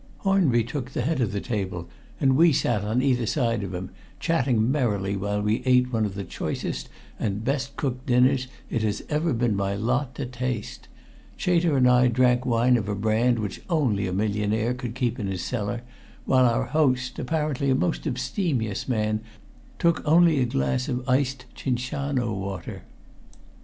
Hornby took the head of the table, and we sat on either side of him, chatting merrily while we ate one of the choicest and best cooked dinners it has ever been my lot to taste. Chater and I drank wine of a brand which only a millionaire could keep in his cellar, while our host, apparently a most abstemious man, took only a glass of iced Cinciano water.